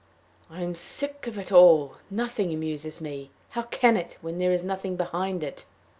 "I am sick of it all. Nothing amuses me. How can it, when there is nothing behind it?